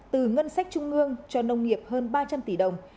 từ ngân sách trung ương cho nông nghiệp hơn ba trăm linh tỷ đồng